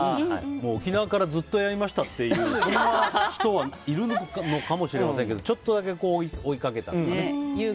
沖縄からずっとやりましたっていう人はいるのかもしれませんけどちょっとだけ追いかけたとかね。